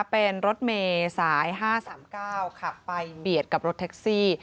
เป็นรถเมย์สาย๕๓๙ขับไปเบียดกับรถแท็กซี่